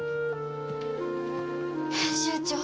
編集長。